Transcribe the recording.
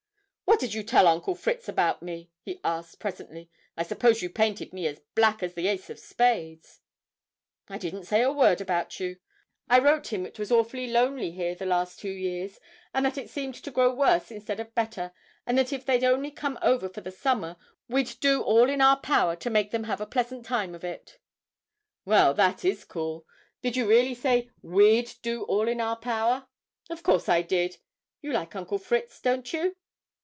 "What did you tell Uncle Fritz about me?" he asked presently. "I suppose you painted me as black as the ace of spades." "I didn't say a word about you. I wrote him it was awfully lonely here the last two years, and that it seemed to grow worse instead of better, and that if they'd only come over for the summer, we'd do all in our power to make them have a pleasant time of it." "Well, that is cool. Did you really say we'd do all in our power?" "Of course I did. You like Uncle Fritz, don't you?"